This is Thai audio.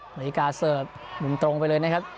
นาฬิกาเสิร์ฟมุมตรงไปเลยนะครับ